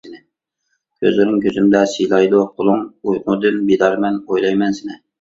كۆزلىرىڭ كۆزۈمدە سىلايدۇ قولۇڭ، ئۇيقۇدىن بىدارمەن ئويلايمەن سېنى.